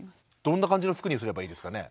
どんな感じの服にすればいいですかね？